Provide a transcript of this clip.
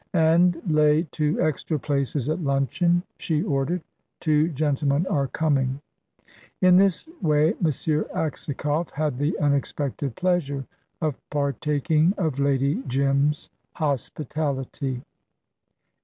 "And lay two extra places at luncheon," she ordered; "two gentlemen are coming." In this way M. Aksakoff had the unexpected pleasure of partaking of Lady Jim's hospitality.